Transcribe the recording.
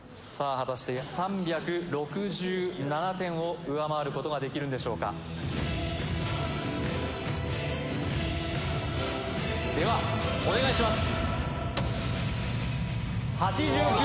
果たして３６７点を上回ることができるんでしょうかではお願いします